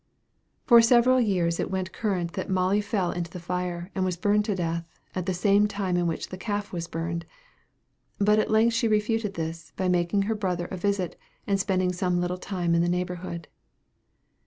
For several years it went current that Molly fell into the fire, and was burned to death, at the same time in which the calf was burned. But she at length refuted this, by making her brother a visit, and spending some little time in the neighborhood.